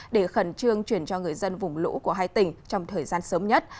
để khẩn trương chuyển cho người dân vùng lũ của hai tỉnh trong thời gian sớm nhất